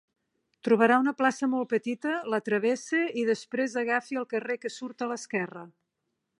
Trobarà una plaça molt petita, la travessa, i després agafi el carrer que surt a l'esquerra.